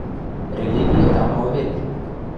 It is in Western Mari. Религиэт ам ыл вет...